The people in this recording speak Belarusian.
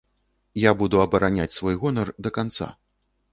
Я буду абараняць свой гонар да канца.